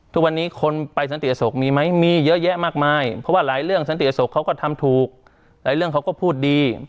ทุกวันนี้คนไปสันติอศกมีไหมมีเยอะแยะมากมายเพราะว่าหลายเรื่องสันติศุกร์เขาก็ทำถูกหลายเรื่องเขาก็พูดดี